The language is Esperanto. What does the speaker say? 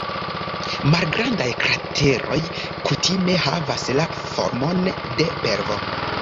Malgrandaj krateroj kutime havas la formon de pelvo.